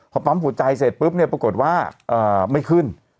พอปั๊มหัวใจเสร็จปุ๊บเนี่ยปรากฏว่าไม่ขึ้น